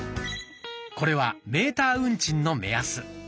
これはメーター運賃の目安。